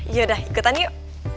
yaudah ikutan yuk